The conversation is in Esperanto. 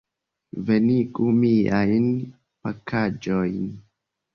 Venigu miajn pakaĵojn.